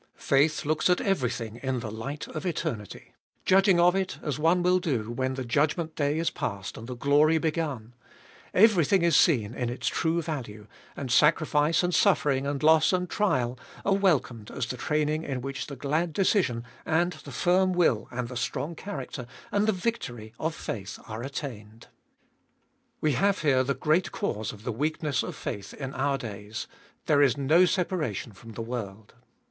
Faith looks at everything in the light of eternity, judging of it as one will do when the judgment day is past, and the glory begun ; everything is seen in its true value, and sacrifice and suffering and loss and trial are welcomed as the training in which the glad decision, and the firm will, and the strong character, and the victory of faith are attained. We have here the great cause of the weakness of faith in our days. There is no separation from the world.